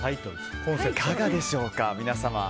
いかがでしょうか、皆様。